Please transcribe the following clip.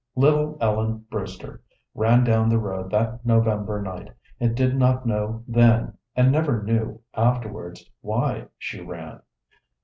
Little Ellen Brewster ran down the road that November night, and did not know then, and never knew afterwards, why she ran.